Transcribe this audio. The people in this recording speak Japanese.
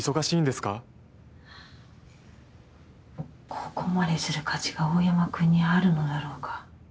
「ここまでする価値が、大山くんにあるのだろうか。